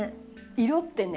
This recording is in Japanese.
色ってね